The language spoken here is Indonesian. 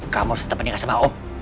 kamu harus tetep nikah sama om